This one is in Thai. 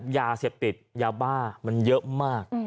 ยาเสพติดยาบ้ามันเยอะมาก